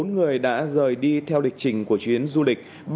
bốn người đã rời đi theo lịch trình của chuyến du lịch